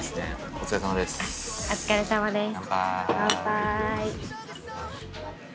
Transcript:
お疲れさまです